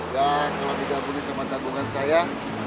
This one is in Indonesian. dan kalo tidak bunyi sama tabungan saya